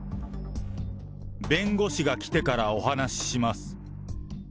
弁護士が来てからお話しします。